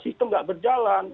sistem tidak berjalan